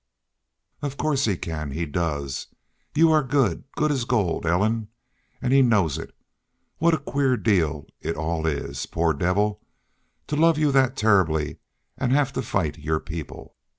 "Of course he can. He does. You are good good as gold, Ellen, an' he knows it.... What a queer deal it all is! Poor devil! To love you thet turribly an' hev to fight your people!